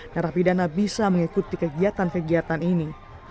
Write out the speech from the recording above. narapidana bisa mengikuti kegiatan kegiatan ini